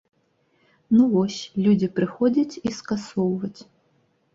Ну вось, людзі прыходзяць і скасоўваць.